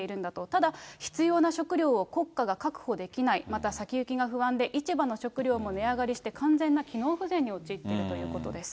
ただ必要な食糧を国家が確保できない、また先行きが不安で、市場の食糧も値上がりして、完全な機能不全に陥っているということです。